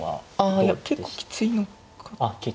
ああいや結構きついのかと。